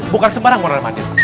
bukan sembarang mondar mandir